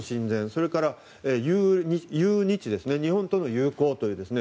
それから、友日日本との友好ですね。